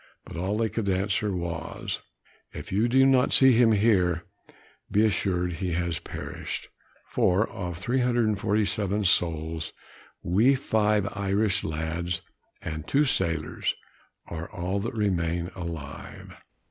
But all they could answer was, "If you do not see him here, be assured he has perished; for, of 347 souls, we five Irish lads and two sailors are all that remain alive."